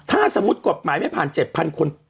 ถ้าสมมุติกฎหมายไม่ผ่าน๗๐๐คน